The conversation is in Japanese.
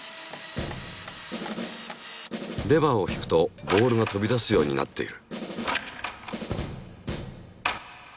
レバーを引くとボールが飛び出すようになっている。